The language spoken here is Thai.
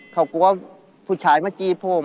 เขากลัวผู้ชายมาจี้ผม